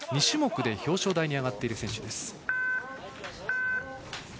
２種目で表彰台に上がっている選手。